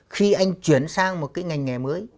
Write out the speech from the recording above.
khi anh chuyển sang một cái ngành nghề mới